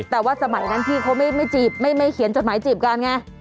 แต่ว่าสมัยนั้นพี่เขาไม่จีบไม่เขียนจดหมายจีบกันไง